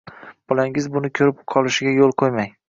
bolangiz buni ko‘rib qolishiga yo‘l qo‘ymang.